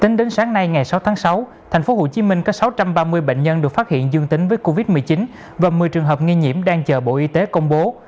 tính đến sáng nay ngày sáu tháng sáu tp hcm có sáu trăm ba mươi bệnh nhân được phát hiện dương tính với covid một mươi chín và một mươi trường hợp nghi nhiễm đang chờ bộ y tế công bố